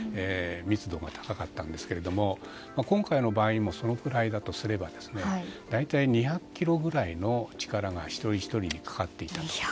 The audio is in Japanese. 密度が高かったんですけれども今回の場合にもそのくらいだとすれば大体２００ｋｇぐらいの力が一人ひとりにかかっていたと。